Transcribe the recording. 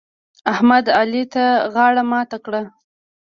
احمد؛ علي ته غاړه ماته کړه.